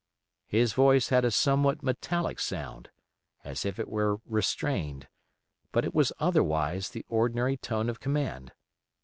His voice had a somewhat metallic sound, as if it were restrained; but it was otherwise the ordinary tone of command.